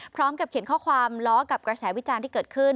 พร้อมกับเขียนข้อความล้อกับกระแสวิจารณ์ที่เกิดขึ้น